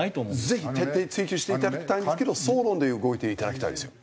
ぜひ徹底追及していただきたいんですけど争論で動いていただきたいですよ。